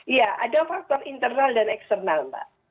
iya ada faktor internal dan eksternal mbak